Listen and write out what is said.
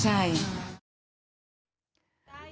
ใช่ไหม